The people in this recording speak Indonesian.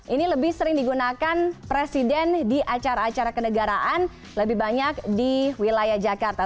ini lebih sering digunakan presiden di acara acara kenegaraan lebih banyak di wilayah jakarta